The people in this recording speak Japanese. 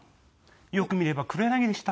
よく見れば黒柳でした。